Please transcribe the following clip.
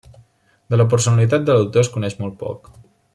De la personalitat de l'autor es coneix molt poc.